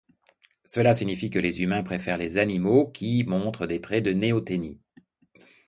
Cela signifie que les humains préfèrent les animaux qui montrent des traits de néoténie.